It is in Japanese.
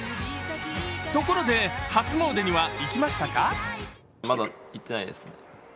ところで、初詣には行きましたか？